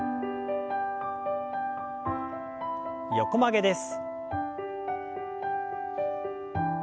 横曲げです。